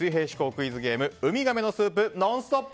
クイズゲームウミガメのスープ「ノンストップ！」